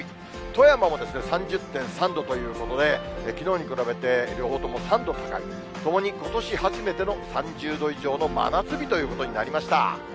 富山も３０．３度ということで、きのうに比べて両方とも３度高い、ともにことし初めての３０度以上の真夏日ということになりました。